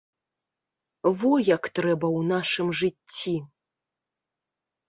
Во як трэба ў нашым жыцці!